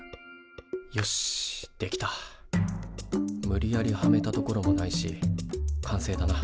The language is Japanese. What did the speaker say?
無理やりはめたところもないし完成だな。